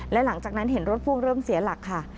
และหลังจากนั้นเห็นรถพ่วงเริ่มเสียหลักค่ะ